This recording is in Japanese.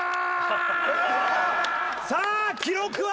さあ記録は？